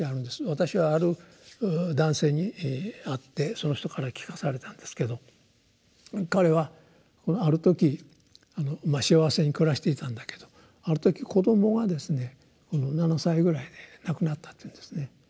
私はある男性に会ってその人から聞かされたんですけど彼はある時まあ幸せに暮らしていたんだけどある時子どもがですね７歳ぐらいで亡くなったっていうんですね。